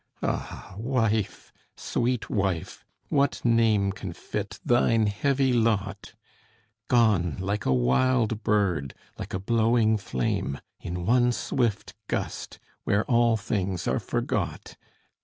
Ah wife, sweet wife, what name Can fit thine heavy lot? Gone like a wild bird, like a blowing flame, In one swift gust, where all things are forgot!